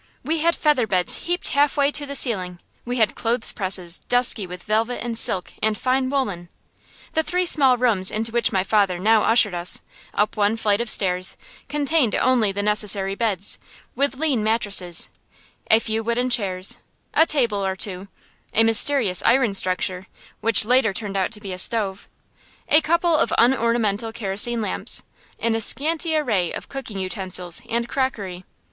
We had featherbeds heaped halfway to the ceiling; we had clothes presses dusky with velvet and silk and fine woollen. The three small rooms into which my father now ushered us, up one flight of stairs, contained only the necessary beds, with lean mattresses; a few wooden chairs; a table or two; a mysterious iron structure, which later turned out to be a stove; a couple of unornamental kerosene lamps; and a scanty array of cooking utensils and crockery.